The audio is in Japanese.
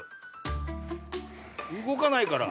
うごかないから。